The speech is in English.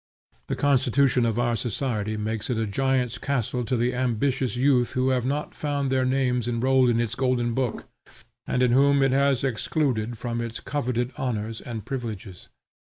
The constitution of our society makes it a giant's castle to the ambitious youth who have not found their names enrolled in its Golden Book, and whom it has excluded from its coveted honors and privileges.